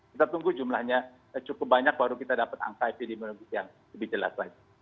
kita tunggu jumlahnya cukup banyak baru kita dapat angka epidemiologi yang lebih jelas lagi